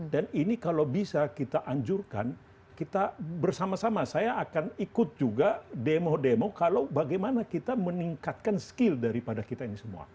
dan ini kalau bisa kita anjurkan kita bersama sama saya akan ikut juga demo demo kalau bagaimana kita meningkatkan skill daripada kita ini semua